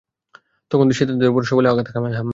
তখন সে তাদের উপর সবলে আঘাত হানল।